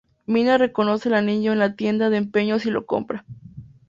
Minna reconoce el anillo en la tienda de empeños y lo compra.